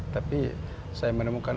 tapi saya menemukan